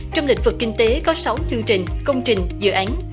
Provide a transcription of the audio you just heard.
trong lịch vực kinh tế có sáu chương trình công trình dự án